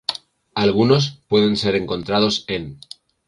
Algunos pueden ser encontrados en